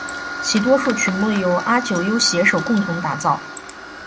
其多数曲目多由阿久悠携手共同打造。